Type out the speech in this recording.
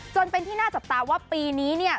จนเป็นที่น่าจับตาว่าปีนี้เนี่ย